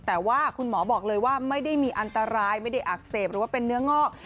แต่ว่าคุณหมอบอกเลยว่าไม่ได้มีอันตรายไม่ได้อักเสบหรือว่าเป็นเนื้องอก